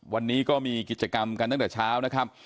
วันนี้มีกิจกรรมกันตั้งแต่เช้า